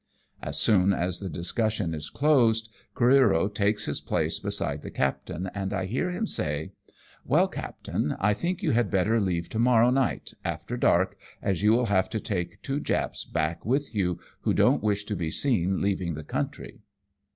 As soon as the discussion is closed, Careero takes his place beside the captain, and I hear him say, —" Well, captain, I think you had better leave to morrow night, after dark, as you will have to take two Japs back with you who don't wish to be seen leaving the country."